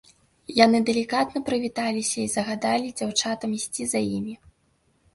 Яны далікатна прывіталіся і загадалі дзяўчатам ісці за імі.